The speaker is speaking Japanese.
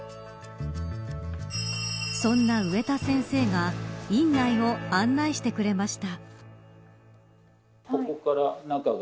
そんな植田先生が院内を案内してくれました。